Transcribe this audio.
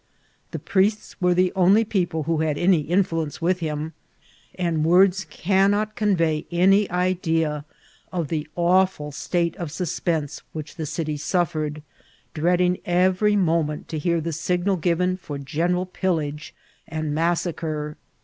The priests were the only people who had any influence with him, and words cannot convey any idea of the awful state of suspense which the city suffered, dreading every moment to hear the signal given for general pillage and massacre.